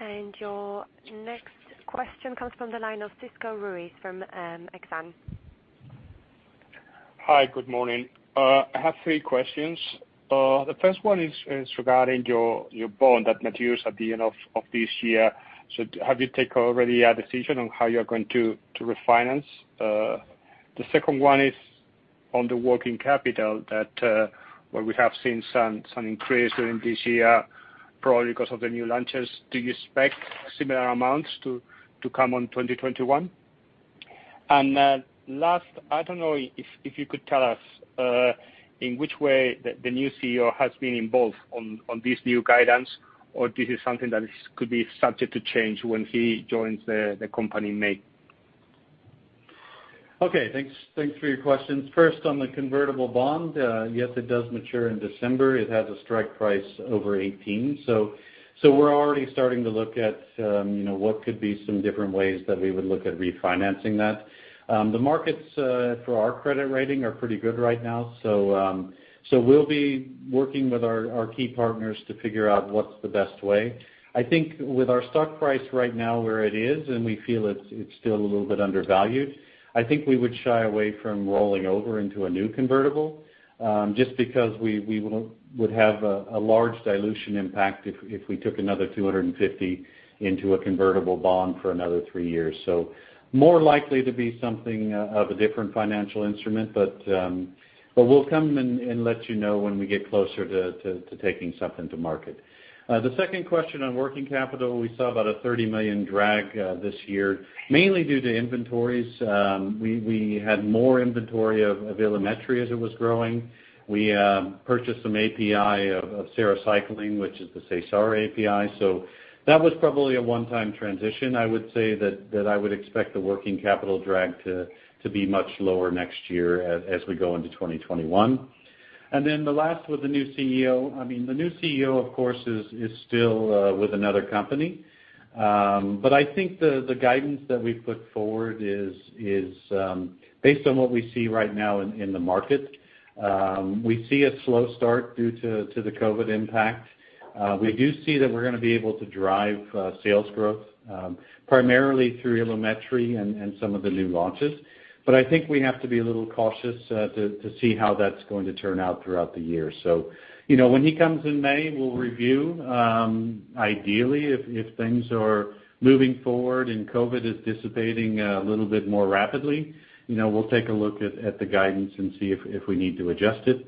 And your next question comes from the line of Francisco Ruiz from Exane. Hi. Good morning. I have three questions. The first one is regarding your bond that matures at the end of this year. Have you taken already a decision on how you're going to refinance? The second one is on the working capital that we have seen some increase during this year, probably because of the new launches. Do you expect similar amounts to come on 2021? Last, I don't know if you could tell us in which way the new CEO has been involved on this new guidance, or this is something that could be subject to change when he joins the company in May. Okay. Thanks for your questions. First, on the convertible bond, yes, it does mature in December. It has a strike price over 18. We're already starting to look at what could be some different ways that we would look at refinancing that. The markets for our credit rating are pretty good right now. We'll be working with our key partners to figure out what's the best way. I think with our stock price right now where it is, and we feel it's still a little bit undervalued, I think we would shy away from rolling over into a new convertible, just because we would have a large dilution impact if we took another 250 million into a convertible bond for another three years. More likely to be something of a different financial instrument, but we'll come and let you know when we get closer to taking something to market. The second question on working capital, we saw about a 30 million drag this year, mainly due to inventories. We had more inventory of Ilumetri as it was growing. We purchased some API of sarecycline, which is the Seysara API. That was probably a one-time transition. I would say that I would expect the working capital drag to be much lower next year as we go into 2021. The last with the new CEO. The new CEO, of course, is still with another company. I think the guidance that we've put forward is based on what we see right now in the market. We see a slow start due to the COVID impact. We do see that we're going to be able to drive sales growth primarily through Ilumetri and some of the new launches. I think we have to be a little cautious to see how that's going to turn out throughout the year. When he comes in May, we'll review. Ideally, if things are moving forward and COVID is dissipating a little bit more rapidly, we'll take a look at the guidance and see if we need to adjust it.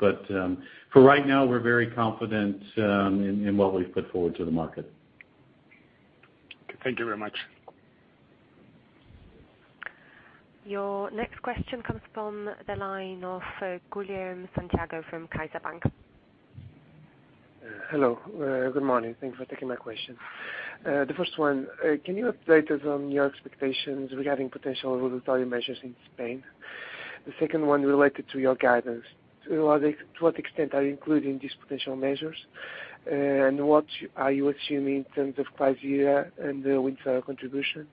For right now, we're very confident in what we've put forward to the market. Okay. Thank you very much. Your next question comes from the line of Guilherme Sampaio from CaixaBank. Hello. Good morning. Thanks for taking my question. The first one, can you update us on your expectations regarding potential regulatory measures in Spain? The second one related to your guidance. To what extent are you including these potential measures, and what are you assuming in terms of price year and the Wynzora contribution?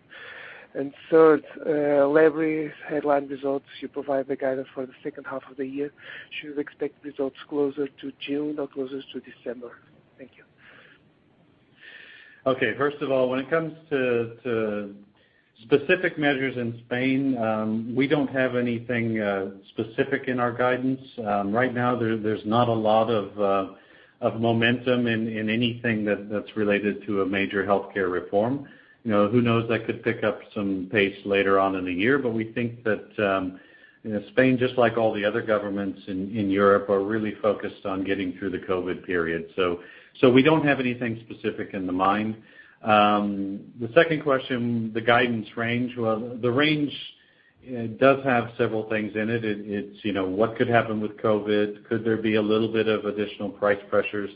Third, lebri's headline results, you provide the guidance for the second half of the year. Should we expect results closer to June or closer to December? Thank you. Okay. First of all, when it comes to specific measures in Spain, we don't have anything specific in our guidance. Right now, there's not a lot of momentum in anything that's related to a major healthcare reform. Who knows, that could pick up some pace later on in the year. We think that Spain, just like all the other governments in Europe, are really focused on getting through the COVID period. We don't have anything specific in the mind. The second question, the guidance range. Well, the range does have several things in it. It's what could happen with COVID, could there be a little bit of additional price pressures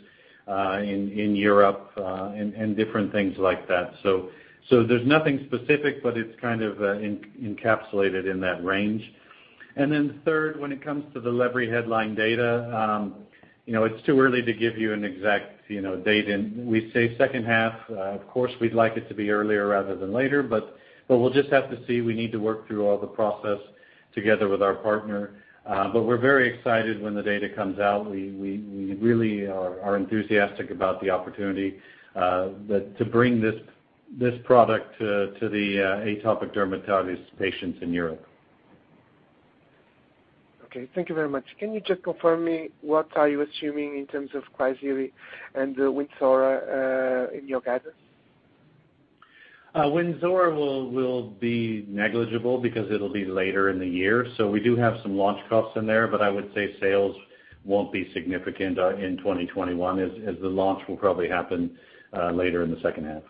in Europe, and different things like that. There's nothing specific, but it's kind of encapsulated in that range. And third, when it comes to the lebri headline data, it's too early to give you an exact date in. We say second half. Of course, we'd like it to be earlier rather than later, but we'll just have to see. We need to work through all the process together with our partner. We're very excited when the data comes out. We really are enthusiastic about the opportunity to bring this product to the atopic dermatitis patients in Europe. Okay. Thank you very much. Can you just confirm me what are you assuming in terms of Klisyri and Wynzora in your guidance? Wynzora will be negligible because it'll be later in the year. We do have some launch costs in there, but I would say sales won't be significant in 2021, as the launch will probably happen later in the second half.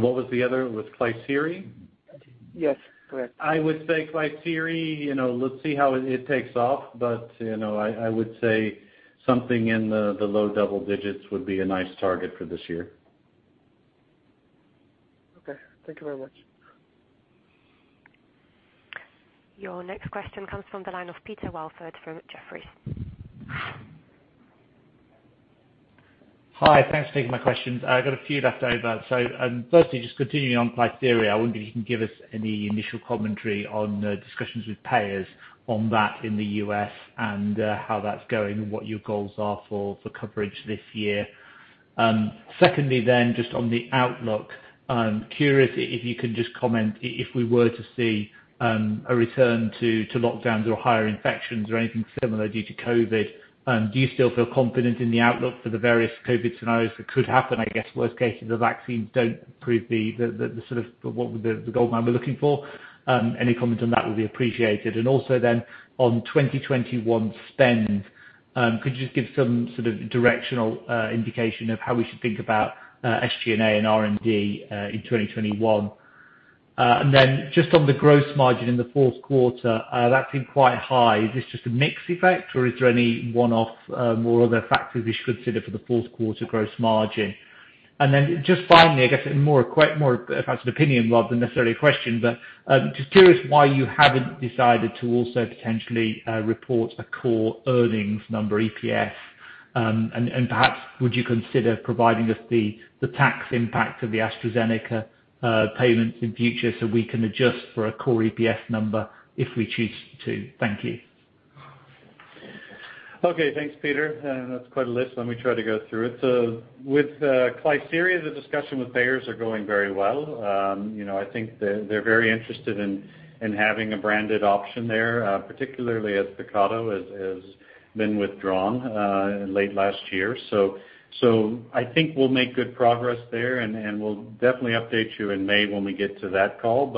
What was the other? Was Klisyri? Yes, correct. I would say Klisyri, let's see how it takes off. I would say something in the low double digits would be a nice target for this year. Okay. Thank you very much. Your next question comes from the line of Peter Welford from Jefferies. Hi. Thanks for taking my questions. I've got a few left over. Firstly, just continuing on Klisyri, I wonder if you can give us any initial commentary on discussions with payers on that in the U.S. and how that's going and what your goals are for coverage this year. Secondly, just on the outlook, curious if you can just comment, if we were to see a return to lockdowns or higher infections or anything similar due to COVID, do you still feel confident in the outlook for the various COVID scenarios that could happen? I guess, worst case, if the vaccines don't prove the sort of gold mine we're looking for. Any comment on that would be appreciated. Also, on 2021 spend, could you just give some sort of directional indication of how we should think about SG&A and R&D in 2021?Just on the gross margin in the fourth quarter, that's been quite high. Is this just a mix effect, or is there any one-off or other factors we should consider for the fourth quarter gross margin? Just finally, I guess, more of an opinion rather than necessarily a question, but just curious why you haven't decided to also potentially report a core earnings number EPS. Perhaps, would you consider providing us the tax impact of the AstraZeneca payments in future so we can adjust for a core EPS number if we choose to? Thank you. Okay. Thanks, Peter. That's quite a list. Let me try to go through it. With Klisyri, the discussion with payers are going very well. I think they're very interested in having a branded option there, particularly as Picato has been withdrawn late last year. I think we'll make good progress there, and we'll definitely update you in May when we get to that call.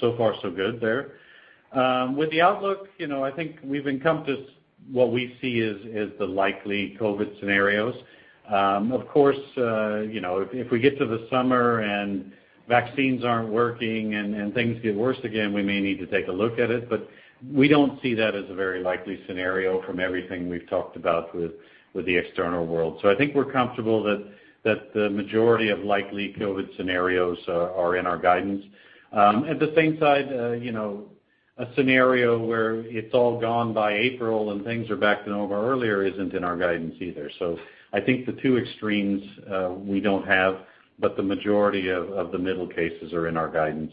So far so good there. With the outlook, I think we've encompassed what we see as the likely COVID scenarios. Of course, if we get to the summer and vaccines aren't working and things get worse again, we may need to take a look at it. We don't see that as a very likely scenario from everything we've talked about with the external world. I think we're comfortable that the majority of likely COVID scenarios are in our guidance. At the same time, a scenario where it's all gone by April and things are back to normal earlier isn't in our guidance either. I think the two extremes we don't have, but the majority of the middle cases are in our guidance.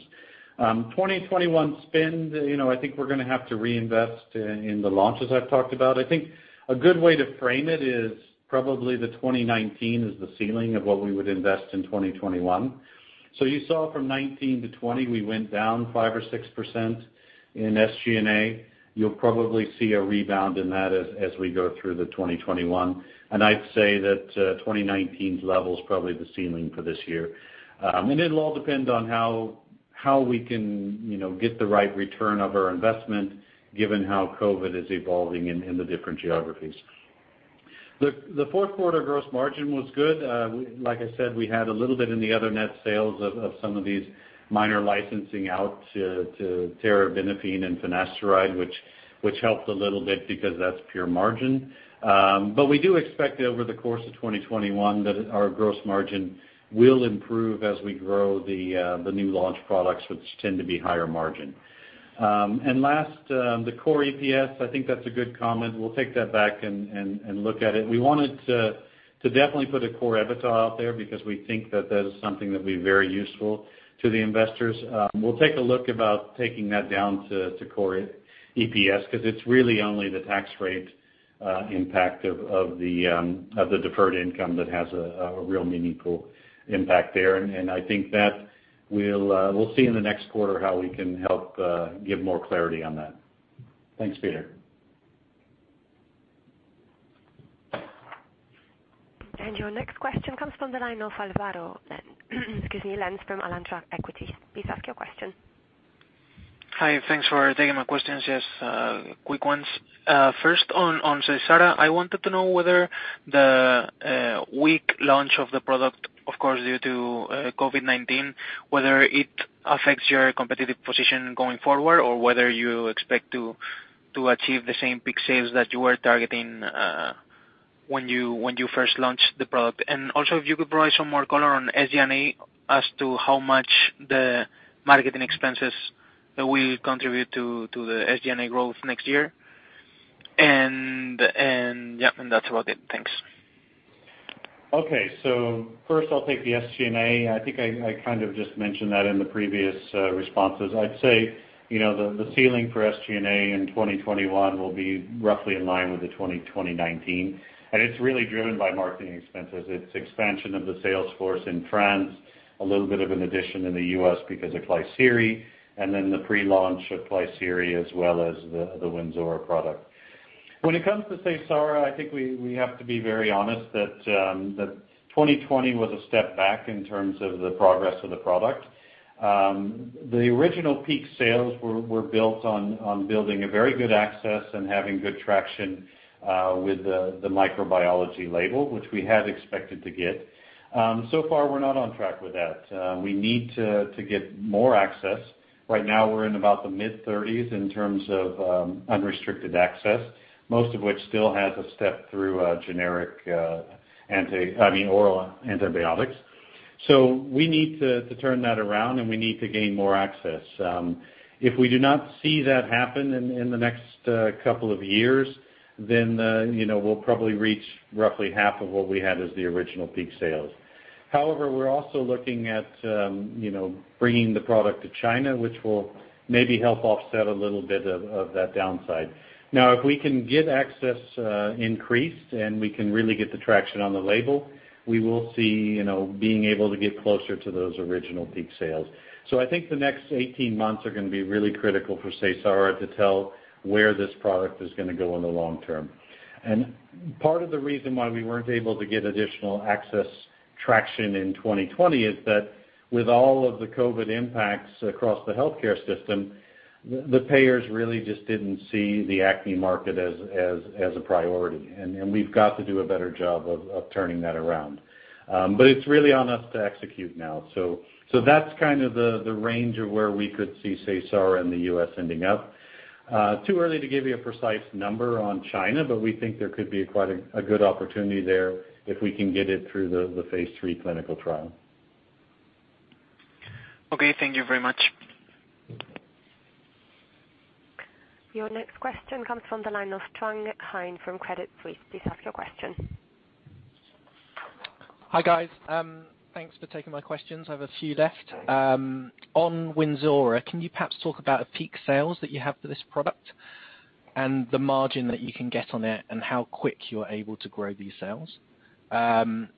2021 spend, I think we're going to have to reinvest in the launches I've talked about. I think a good way to frame it is probably the 2019 is the ceiling of what we would invest in 2021. You saw from 2019-2020, we went down 5% or 6% in SG&A. You'll probably see a rebound in that as we go through the 2021. I'd say that 2019's level is probably the ceiling for this year. It'll all depend on how we can get the right return of our investment, given how COVID is evolving in the different geographies. The fourth quarter gross margin was good. Like I said, we had a little bit in the other net sales of some of these minor licensing out to terbinafine and finasteride, which helped a little bit because that's pure margin. We do expect over the course of 2021 that our gross margin will improve as we grow the new launch products, which tend to be higher margin. Last, the core EPS, I think that's a good comment. We'll take that back and look at it. We wanted to definitely put a core EBITDA out there, because we think that that is something that will be very useful to the investors. We'll take a look about taking that down to core EPS, because it's really only the tax rate impact of the deferred income that has a real meaningful impact there. And I think that we'll see in the next quarter how we can help give more clarity on that. Thanks, Peter. Your next question comes from the line of Álvaro Lenze from Alantra Equities. Please ask your question. Hi, thanks for taking my questions. Yes, quick ones. First on Seysara, I wanted to know whether the weak launch of the product, of course, due to COVID-19, whether it affects your competitive position going forward, or whether you expect to achieve the same peak sales that you were targeting when you first launched the product. Also, if you could provide some more color on SG&A as to how much the marketing expenses that will contribute to the SG&A growth next year. That's about it. Thanks. Okay. First I'll take the SG&A. I think I kind of just mentioned that in the previous responses. I'd say you know the ceiling for SG&A in 2021 will be roughly in line with the 2019. And it's really driven by marketing expenses. It's expansion of the sales force in France, a little bit of an addition in the U.S. because of Klisyri, and then the pre-launch of Klisyri as well as the Wynzora product. When it comes to Seysara, I think we have to be very honest that 2020 was a step back in terms of the progress of the product. The original peak sales were built on building a very good access and having good traction with the microbiology label, which we had expected to get. So far we're not on track with that. We need to get more access. Right now we're in about the mid-30s in terms of unrestricted access, most of which still has a step through generic oral antibiotics. We need to turn that around and we need to gain more access. If we do not see that happen in the next couple of years, we'll probably reach roughly half of what we had as the original peak sales. However, we're also looking at bringing the product to China, which will maybe help offset a little bit of that downside. Now, if we can get access increased and we can really get the traction on the label, we will see being able to get closer to those original peak sales. I think the next 18 months are going to be really critical for Seysara to tell where this product is going to go in the long term. And part of the reason why we weren't able to get additional access traction in 2020 is that with all of the COVID impacts across the healthcare system, the payers really just didn't see the acne market as a priority. We've got to do a better job of turning that around. But it's really on us to execute now. That's kind of the range of where we could see Seysara in the U.S. ending up. Too early to give you a precise number on China, but we think there could be quite a good opportunity there if we can get it through the phase III clinical trial. Okay, thank you very much. Your next question comes from the line of Trung Huynh from Credit Suisse. Please ask your question. Hi, guys. Thanks for taking my questions. I have a few left. On Wynzora, can you perhaps talk about the peak sales that you have for this product, and the margin that you can get on it, and how quick you're able to grow these sales? On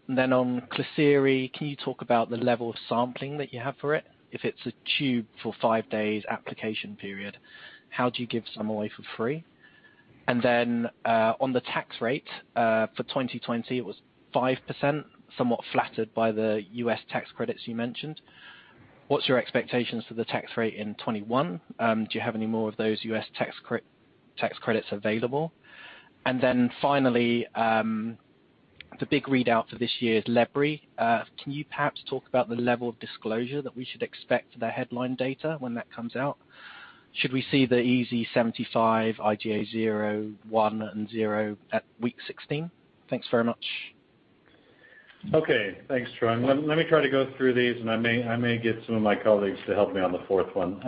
Klisyri, can you talk about the level of sampling that you have for it? If it's a tube for five days application period, how do you give some away for free? On the tax rate for 2020, it was 5%, somewhat flattered by the US tax credits you mentioned. What's your expectations for the tax rate in 2021? Do you have any more of those US tax credits available? Finally, the big readout for this year is lebri. Can you perhaps talk about the level of disclosure that we should expect for the headline data when that comes out? Should we see the EASI-75, IGA 0/1 at week 16? Thanks very much. Okay. Thanks, Trung. Let me try to go through these, and I may get some of my colleagues to help me on the fourth one.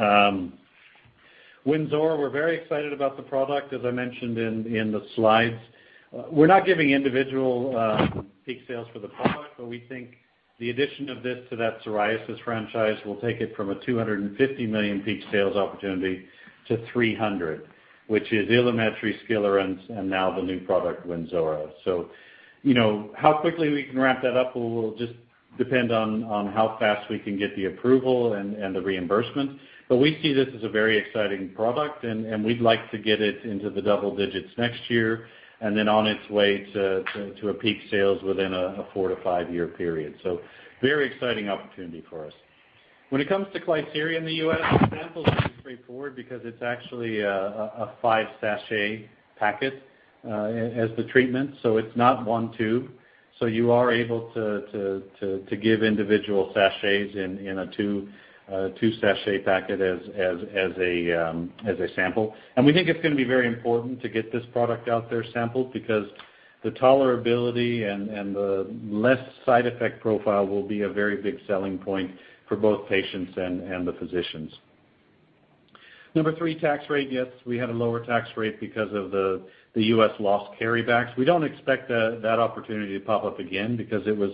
Wynzora, we're very excited about the product, as I mentioned in the slides. We're not giving individual peak sales for the product, but we think the addition of this to that psoriasis franchise will take it from a 250 million-300 million peak sales opportunity, which is Ilumetri, Skilarence, and now the new product, Wynzora. How quickly we can wrap that up will just depend on how fast we can get the approval and the reimbursement. We see this as a very exciting product, and we'd like to get it into the double digits next year, and then on its way to a peak sales within a 4-5 year period. Very exciting opportunity for us. When it comes to Klisyri in the U.S., the sample is pretty straightforward because it's actually a five-sachet packet as the treatment. It's not one tube. You are able to give individual sachets in a two-sachet packet as a sample. We think it's going to be very important to get this product out there sampled because the tolerability and the less side effect profile will be a very big selling point for both patients and the physicians. Number three, tax rate. Yes, we had a lower tax rate because of the US loss carrybacks. We don't expect that opportunity to pop up again because it was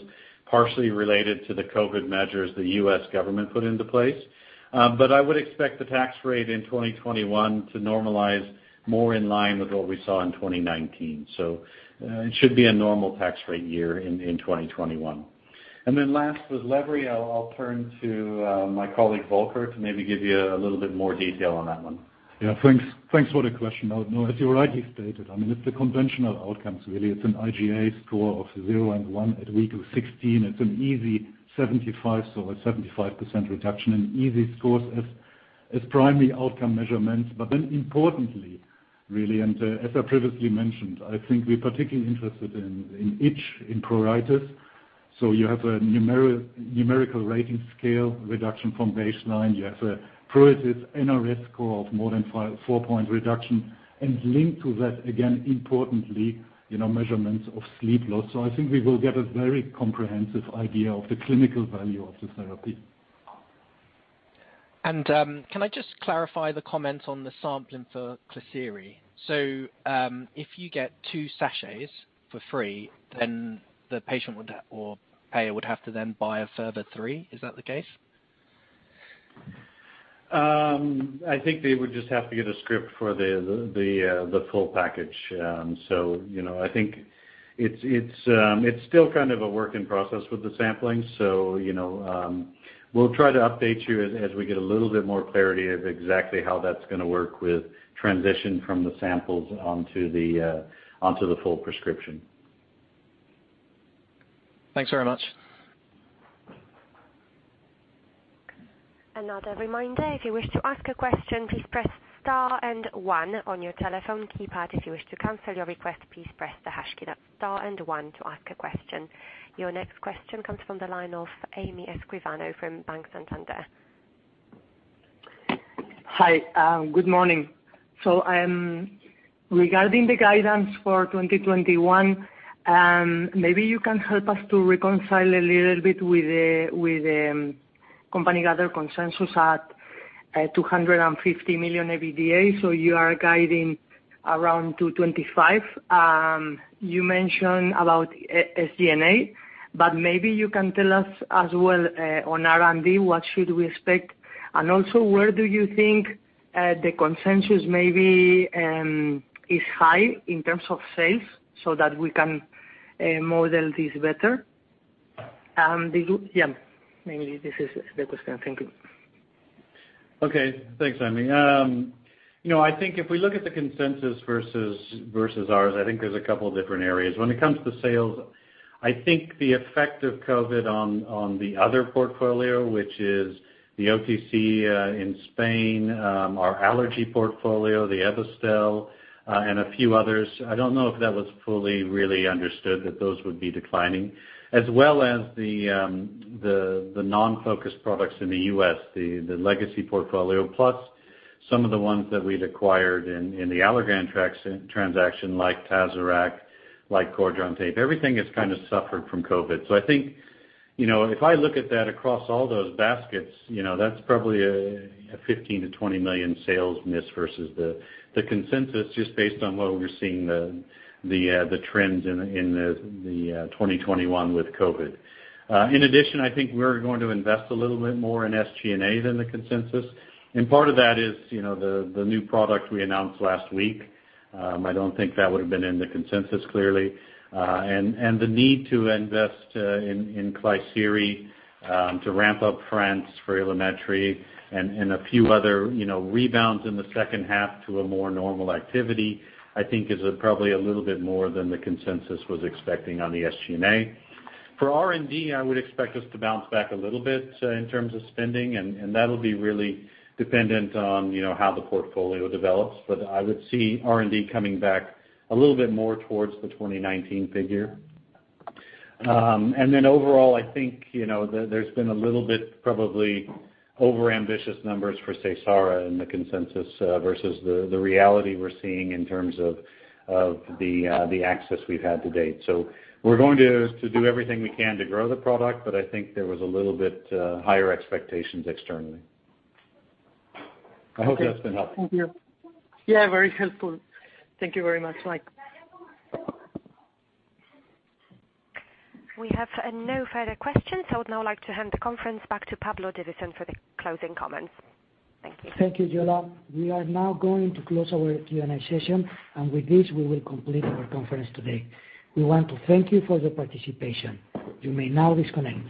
partially related to the COVID measures the US government put into place. I would expect the tax rate in 2021 to normalize more in line with what we saw in 2019. It should be a normal tax rate year in 2021. Last with lebri, I'll turn to my colleague, Volker, to maybe give you a little bit more detail on that one. Yeah, thanks. Thanks for the question. As you rightly stated, it's the conventional outcomes, really. It's an IGA score of zero and one at week 16. It's an EASI-75, a 75% reduction and EASI scores as primary outcome measurements. Importantly, really, as I previously mentioned, I think we're particularly interested in itch in pruritus. You have a numerical rating scale reduction from baseline. You have a pruritus NRS score of more than four-point reduction, linked to that, again, importantly, measurements of sleep loss. I think we will get a very comprehensive idea of the clinical value of the therapy. Can I just clarify the comment on the sampling for Klisyri? If you get two sachets for free, then the patient or payer would have to then buy a further three. Is that the case? I think they would just have to get a script for the full package. I think it's still kind of a work in process with the sampling. We'll try to update you as we get a little bit more clarity of exactly how that's going to work with transition from the samples onto the full prescription. Thanks very much. Another reminder if you wish to ask a question please press star and one on your telephone keypad. If you wish to cancel your request please press the hash key, and star and one to ask a question. Your next question comes from the line of Jaime Escribano from Banco Santander. Hi. Good morning. Regarding the guidance for 2021, maybe you can help us to reconcile a little bit with company other consensus at 250 million EBITDA. You are guiding around 225 million. You mentioned about SG&A, but maybe you can tell us as well on R&D, what should we expect? Where do you think the consensus maybe is high in terms of sales so that we can model this better? Mainly this is the question. Thank you. Okay. Thanks, Jaime. I think if we look at the consensus versus ours, I think there's a couple of different areas. When it comes to sales, I think the effect of COVID on the other portfolio, which is the OTC in Spain, our allergy portfolio, the Ebastel, and a few others, I don't know if that was fully really understood that those would be declining, as well as the non-focused products in the U.S., the legacy portfolio, plus some of the ones that we'd acquired in the Allergan transaction, like Tazorac, like Cordran Tape. Everything has kind of suffered from COVID. I think if I look at that across all those baskets, that's probably a 15 million-20 million sales miss versus the consensus just based on what we're seeing the trends in the 2021 with COVID. In addition, I think we're going to invest a little bit more in SG&A than the consensus. And part of that is the new product we announced last week. I don't think that would have been in the consensus, clearly. The need to invest in Klisyri to ramp up France for Ilumetri and a few other rebounds in the second half to a more normal activity, I think is probably a little bit more than the consensus was expecting on the SG&A. For R&D, I would expect us to bounce back a little bit in terms of spending, and that'll be really dependent on how the portfolio develops. I would see R&D coming back a little bit more towards the 2019 figure. Overall, I think there has been a little bit probably overambitious numbers for Seysara in the consensus versus the reality we are seeing in terms of the access we have had to date. We are going to do everything we can to grow the product, but I think there was a little bit higher expectations externally. I hope that has been helpful. Thank you. Yeah, very helpful. Thank you very much, Mike. We have no further questions. I would now like to hand the conference back to Pablo Divasson for the closing comments. Thank you. Thank you, Joana. We are now going to close our Q&A session. With this, we will complete our conference today. We want to thank you for the participation. You may now disconnect.